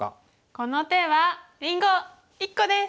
この手はりんご１個です！